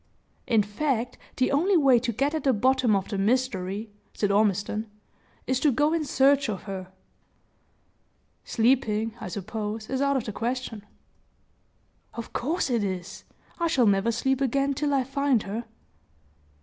"In fact, the only way to get at the bottom of the mystery," said Ormiston, "is to go in search of her. Sleeping, I suppose, is out of the question." "Of course it is! I shall never sleep again till I find her!"